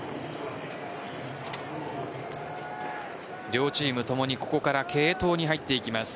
両チームともにここから継投に入っていきます。